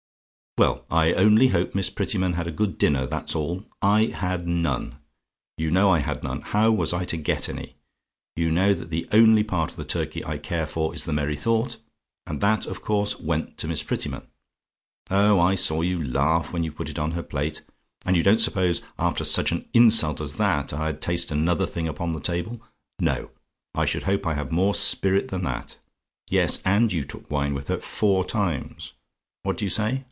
"Well, I only hope Miss Prettyman had a good dinner, that's all. I had none! You know I had none how was I to get any? You know that the only part of the turkey I care for is the merry thought. And that, of course, went to Miss Prettyman. Oh, I saw you laugh when you put it on her plate! And you don't suppose, after such an insult as that, I'd taste another thing upon the table? No, I should hope I have more spirit than that. Yes; and you took wine with her four times. What do you say?